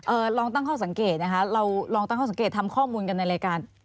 ลองตั้งข้อสังเกตนะคะเราลองตั้งข้อสังเกตทำข้อมูลกันในรายการ